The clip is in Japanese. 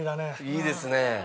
いいですね。